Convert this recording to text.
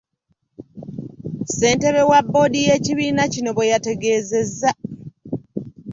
Ssentebe wa bboodi y’ekibiina kino bweyategeezezza.